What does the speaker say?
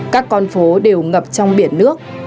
các con phố đều ngập trong biển nước